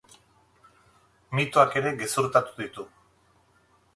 Mitoak ere gezurtatu ditu.